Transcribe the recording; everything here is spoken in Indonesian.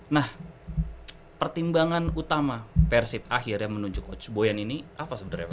nah pertimbangan utama persib akhirnya menunjuk coach boyan ini apa sebenarnya